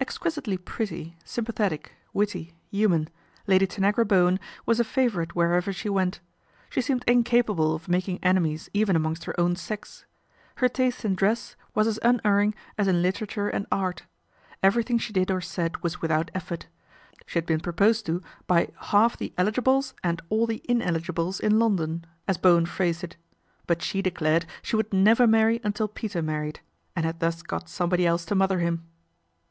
Exquisitely pretty, sympathetic, witty, human*; Lady Tanagra Bowen was a favourite wherever she went. She seemed incapable of making enemies even amongst her own sex. Her taste hi dress was as unerring as in literature and art. Everything she did or said was without effort. She had been proposed to by " half the eligibles and all the ineligibles in London," as Bowen phrased it ; but she declared she would never marry until Peter married, and had thus got somebody else to mother him.